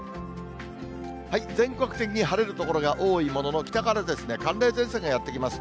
全国的に晴れる所が多いものの、北から寒冷前線がやって来ます。